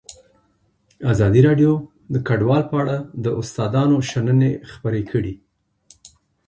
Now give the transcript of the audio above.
ازادي راډیو د کډوال په اړه د استادانو شننې خپرې کړي.